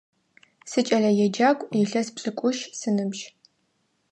Сыкӏэлэеджакӏу, илъэс пшӏыкӏущ сыныбжь.